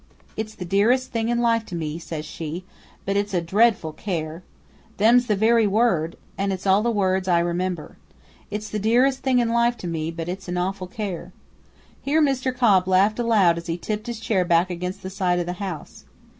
'It's the dearest thing in life to me,' says she, 'but it's a dreadful care.' Them 's the very words, an' it's all the words I remember. 'It's the dearest thing in life to me, but it's an awful care!' " here Mr. Cobb laughed aloud as he tipped his chair back against the side of the house.